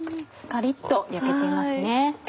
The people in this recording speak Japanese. カリっと焼けてますね。